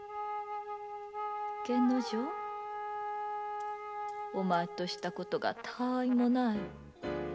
源之丞お前としたことがたわいもない。